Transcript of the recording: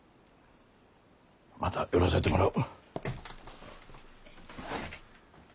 また寄らせてもらう。